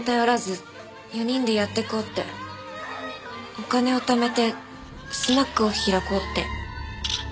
お金をためてスナックを開こうって。